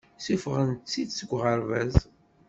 Ssufɣen-tt-id seg uɣerbaz.